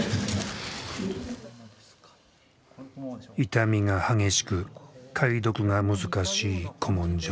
傷みが激しく解読が難しい古文書。